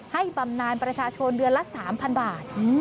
บำนานประชาชนเดือนละ๓๐๐บาท